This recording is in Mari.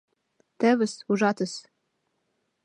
— Тевыс, ужатыс!